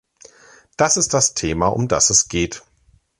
Das ist das Thema, um das es geht.